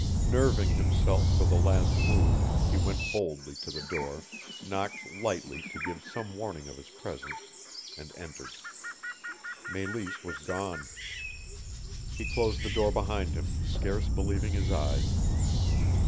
Nerving himself for the last move, he went boldly to the door, knocked lightly to give some warning of his presence, and entered. Meleese was gone. He closed the door behind him, scarce believing his eyes.